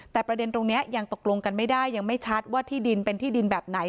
แต่ประเด็นตรงนี้ยังตกลงกันไม่ได้ยังไม่ชัดว่าที่ดินเป็นที่ดินแบบไหน